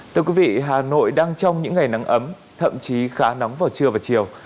thưa quý vị hà nội đang trong những ngày nắng ấm thậm chí khá nóng vào trưa và chiều